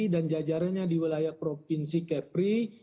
dan jajarannya di wilayah provinsi kepri